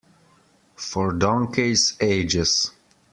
For donkeys' ages.